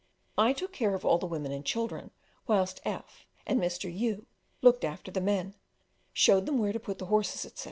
I took care of all the women and children whilst F and Mr. U looked after the men, showed them where to put the horses, etc.